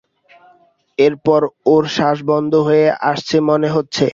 এরপর ওর শ্বাস বন্ধ হয়ে আসছে মনে হচ্ছে।